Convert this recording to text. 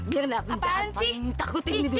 mirna penjahat paling ditakuti ini dulu